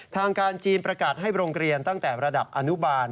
ทางการจีนประกาศให้โรงเรียนตั้งแต่ระดับอนุบาล